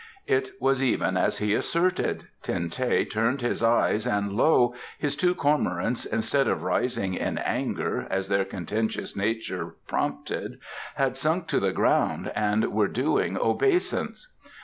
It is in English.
It was even as he asserted; Ten teh turned his eyes and lo, his two cormorants, instead of rising in anger, as their contentious nature prompted, had sunk to the ground and were doing obeisance.